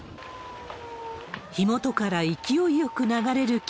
火元から勢いよく流れる煙。